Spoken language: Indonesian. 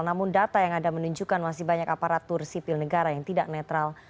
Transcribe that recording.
namun data yang ada menunjukkan masih banyak aparatur sipil negara yang tidak netral